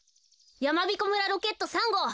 やまびこ村ロケット３ごう。